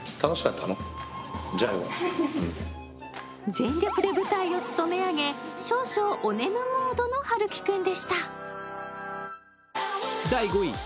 全力で舞台を務め上げ少将お眠モードの陽喜君でした。